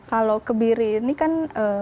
kalau kebiri ini kan